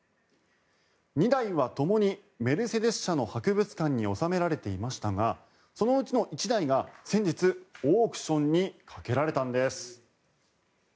２台はともにメルセデス社の博物館に納められていましたがそのうちに１台が先日、オークションにかけられたんです。